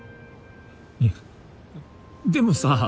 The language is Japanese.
いやでもさ。